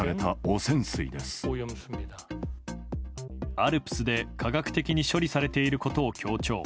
ＡＬＰＳで、科学的に処理されていることを強調。